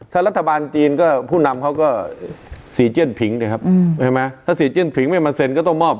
ถ้ารัฐบาลจีนก็ผู้นำเขาก็สีเจียนผิงนะครับใช่ไหมถ้าซีเจียนผิงไม่มาเซ็นก็ต้องมอบ